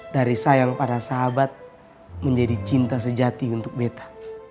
dari sayang para sahabat menjadi cinta sejati untuk beta